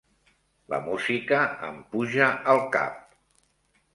La música em puja al cap.